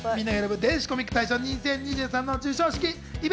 電子コミック大賞２０２３」の授賞式。